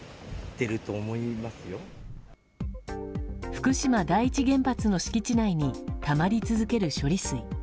福島第一原発の敷地内にたまり続ける処理水。